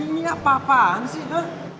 ini apa apaan sih